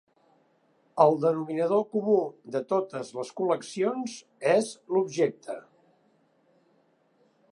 El denominador comú de totes les col·leccions és l’objecte.